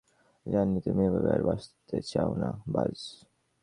জানি, তুমি এভাবে আর বাঁচতে চাও না, বায।